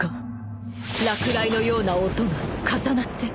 落雷のような音が重なって２つ鳴った